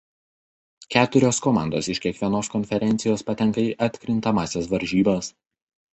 Keturios komandos iš kiekvienos konferencijos patenka į atkrintamąsias varžybas.